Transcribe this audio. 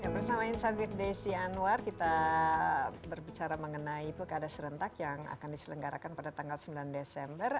bersama insight with desi anwar kita berbicara mengenai pilkada serentak yang akan diselenggarakan pada tanggal sembilan desember